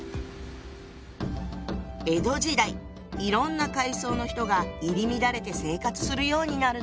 江戸時代いろんな階層の人が入り乱れて生活するようになるの。